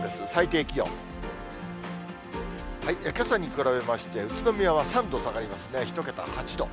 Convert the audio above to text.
けさに比べまして、宇都宮は３度下がりますね、１桁、８度。